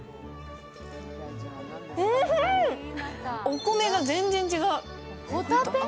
お米が全然違う。